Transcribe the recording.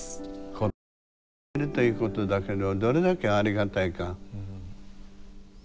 子ども３人いるということだけでもどれだけありがたいか。